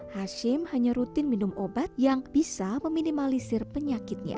hashim hanya rutin minum obat yang bisa meminimalisir penyakitnya